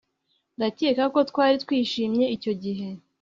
Ndakeka ko twari twishimye icyo gihe